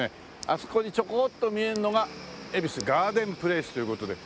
あそこにちょこっと見えるのが恵比寿ガーデンプレイスという事で。